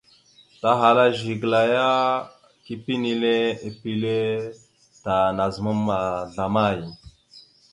Tahala Zigəla ya, kepé enile pipile ta, nazəmam ma zlamay?